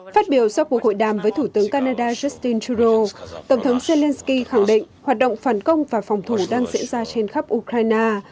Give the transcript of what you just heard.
phát biểu sau cuộc hội đàm với thủ tướng canada justin trudeau tổng thống zelensky khẳng định hoạt động phản công và phòng thủ đang diễn ra trên khắp ukraine